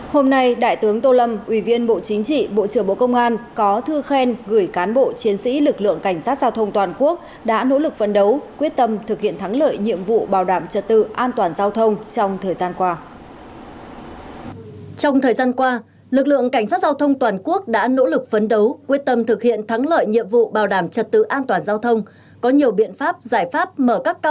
hôm nay đại tướng tô lâm ủy viên bộ chính trị bộ trưởng bộ công an có thư khen gửi cán bộ chiến sĩ lực lượng cảnh sát giao thông toàn quốc đã nỗ lực phấn đấu quyết tâm thực hiện thắng lợi nhiệm vụ bảo đảm trật tự an toàn giao thông trong thời gian qua